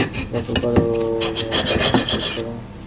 রক্ষে করো, ও মিলটা ঐখানেই শেষ করো।